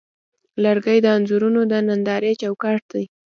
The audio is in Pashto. لرګی د انځورونو د نندارې چوکاټ دی.